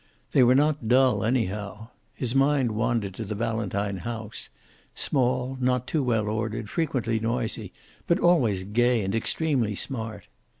They were not dull, anyhow. His mind wandered to the Valentine house, small, not too well ordered, frequently noisy, but always gay and extremely smart.